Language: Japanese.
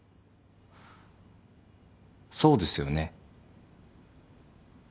そうですよね？